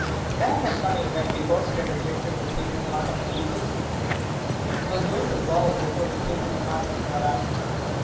The time was coming when, because it had rejected the Sacred Heart of Jesus, it was going to bow before the sacred heart of Marat.